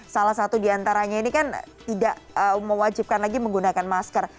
salah satu diantaranya ini kan tidak mewajibkan lagi menggunakan masker